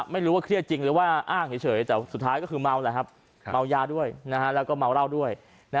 ไม่รู้ว่าเครียดจริงหรือว่าอ้างเฉยแต่แค่สุดท้ายคือเมาดมมัวยาด้วยแล้วก็มัวล่าวด้วย